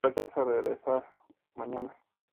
En el pavimento se aprecian losas de piedra.